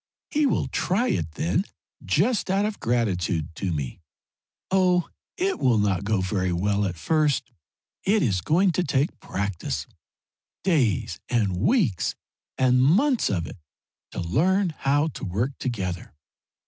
He will try it then, just out of gratitude to me. Oh, it will not go very well at first. It is going to take practice days and weeks and months of it to learn how to work together.